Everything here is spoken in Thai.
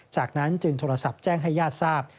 จากนั้นจึงโทรศัพท์แจ้งให้ญาติทราบ